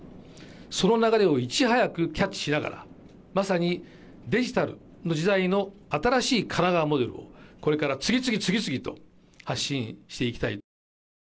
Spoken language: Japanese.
その流れをいち早くキャッチしながらまさにデジタルの時代の新しい神奈川モデルをこれから次々次々と発信していきたい。